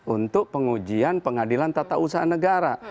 untuk pengujian pengadilan tata usaha negara